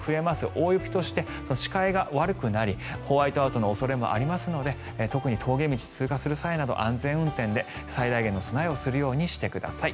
大雪として視界が悪くなりホワイトアウトの恐れもありますので特に峠道を通過する際など安全運転で最大限の備えをするようにしてください。